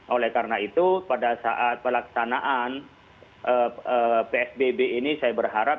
oleh karena itu pada saat pelaksanaan psbb ini saya berharap